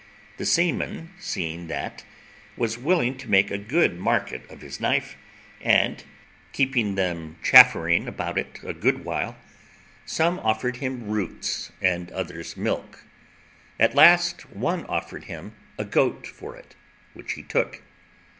The seaman seeing that, was willing to make a good market of his knife, and keeping them chaffering about it a good while, some offered him roots, and others milk; at last one offered him a goat for it, which he took.